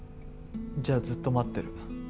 じゃあずっと待ってる。